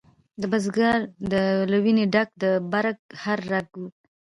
د بزګر له ویني ډک د برګ هر رګ و